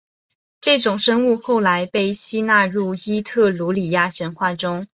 这种生物后来被吸纳入伊特鲁里亚神话中。